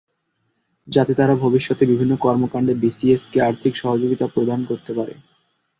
যাতে তারা ভবিষ্যতে বিভিন্ন কর্মকাণ্ডে বিসিএএসকে আর্থিক সহযোগিতা প্রদান করতে পারেন।